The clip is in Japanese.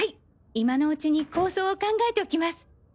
今のうちに構想を考えておきます。